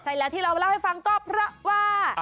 ใช่แล้วที่เรามาเล่าให้ฟังก็เพราะว่า